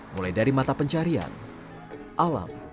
mulai dari mata pencarian alam